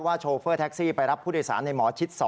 โชเฟอร์แท็กซี่ไปรับผู้โดยสารในหมอชิด๒